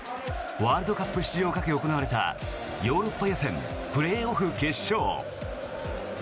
ワールドカップ出場をかけ行われたヨーロッパ予選プレーオフ決勝。